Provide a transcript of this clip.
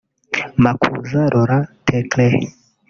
Makuza Lauren Thecle